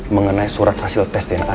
mengenai surat hasil tes dna